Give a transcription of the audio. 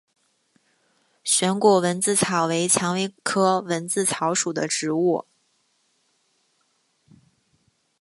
旋果蚊子草为蔷薇科蚊子草属的植物。